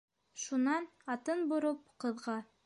Шунан, атын бороп, ҡыҙға: